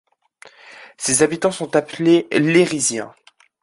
Ses habitants sont appelés Lérysiens.